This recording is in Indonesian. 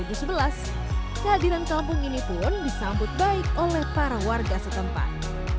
kehadiran kampung ini pun disambut baik oleh para warga setempat